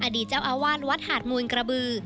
ดีเจ้าอาวาสวัดหาดมูลกระบือ